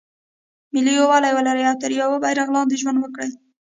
ملي یووالی ولري او تر یوه بیرغ لاندې ژوند وکړي.